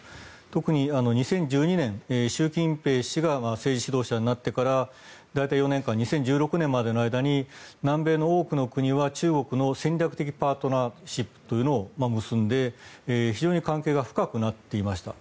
特に２０１２年、習近平氏が政治指導者になってから大体４年間２０１６年までの間に南米の多くの国は中国の戦略的パートナーシップというのを結んで非常に関係が深くなっていました。